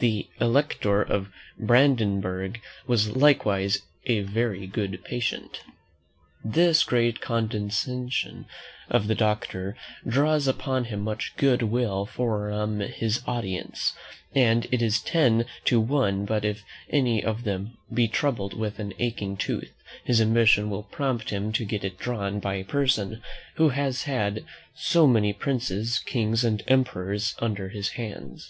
The Elector of Brandenburg was likewise a very good patient. This great condescension of the doctor draws upon him much good will from his audience; and it is ten to one but if any of them be troubled with an aching tooth, his ambition will prompt him to get it drawn by a person who has had so many princes, kings, and emperors under his hands.